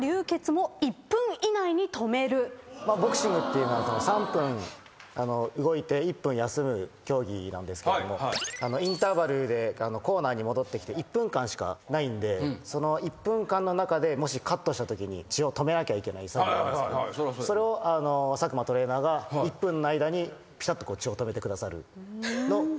ボクシングっていうのは３分動いて１分休む競技なんですけれどもインターバルでコーナーに戻ってきて１分間しかないんでその１分間の中でもしカットしたときに血を止めなきゃいけない作業があるんですけどそれを佐久間トレーナーが１分の間にピタッと血を止めてくださるの。